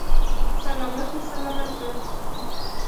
سلامت یې سلامت کړ.